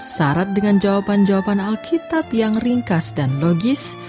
syarat dengan jawaban jawaban alkitab yang ringkas dan logis